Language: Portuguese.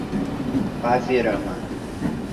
Paverama